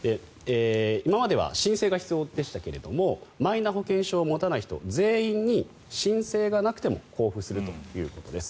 今までは申請が必要でしたがマイナ保険証を持たない人全員に申請がなくても交付するということです。